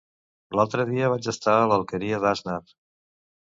L'altre dia vaig estar a l'Alqueria d'Asnar.